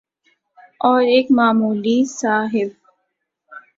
اور ایک معمولی سا ہدف